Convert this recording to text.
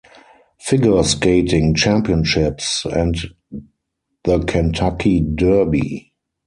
Figure Skating Championships and The Kentucky Derby.